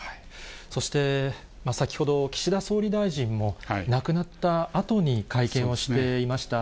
そして、先ほど、岸田総理大臣も亡くなったあとに会見をしていました。